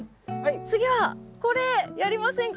次はこれやりませんか？